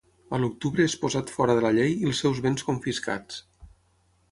A l'octubre és posat fora de la llei i els seus béns confiscats.